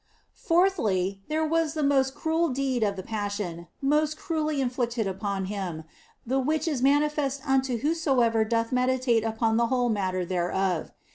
Fourthly, there was the most cruel deed of the Passion, most cruelly inflicted upon Him, the which is manifest unto whosoever doth meditate upon the whole matter thereof.